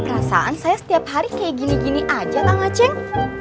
perasaan saya setiap hari kayak gini gini aja kang aceh